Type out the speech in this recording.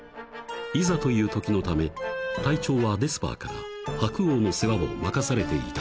［いざというときのため隊長はデスパーから白王の世話を任されていたのだが］